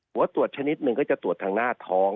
หัวตรวจชนิดหนึ่งก็จะตรวจทางหน้าท้อง